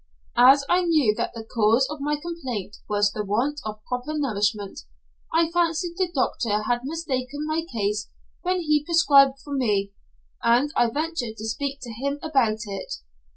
As I knew that the cause of my complaint was the want of proper nourishment, I fancied the doctor had mistaken my case when he prescribed for me, and I ventured to speak to him about it.